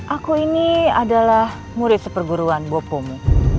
aku ini adalah murid seperguruan bopomu